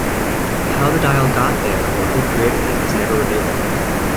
How the dial got there or who created it is never revealed.